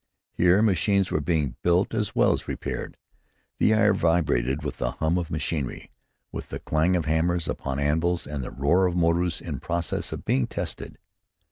Here machines were being built as well as repaired. The air vibrated with the hum of machinery, with the clang of hammers upon anvils and the roar of motors in process of being tested.